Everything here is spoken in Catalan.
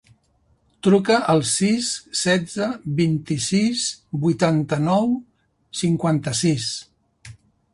Truca al sis, setze, vint-i-sis, vuitanta-nou, cinquanta-sis.